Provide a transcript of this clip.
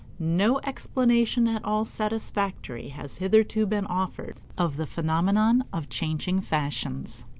No explanation at all satisfactory has hitherto been offered of the phenomenon of changing fashions.